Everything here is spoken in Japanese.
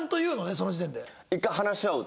その時点で。